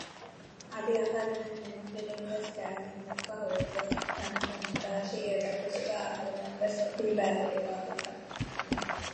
އަދި އަހަރެމެން ދެމަފިރިންވެސް ކައިވެންޏށްފަހު އެއްވެސް ތަނަކަށް ނުދާތީ އެދަތުރުގައި އަހަރެމެންވެސް އޮތީ ބައިވެރިވާގޮތަށް